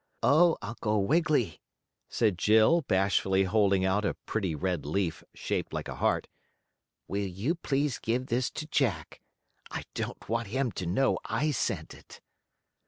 "Oh, Uncle Wiggily!" said Jill, bashfully holding out a pretty red leaf, shaped like a heart, "will you please give this to Jack. I don't want him to know I sent it."